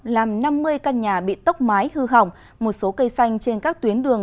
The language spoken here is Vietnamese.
làm năm mươi căn nhà bị tốc mái hư hỏng một số cây xanh trên các tuyến đường